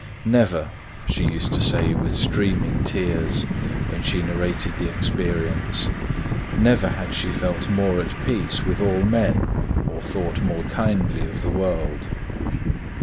Never (she used to say, with streaming tears, when she narrated that experience), never had she felt more at peace with all men or thought more kindly of the world.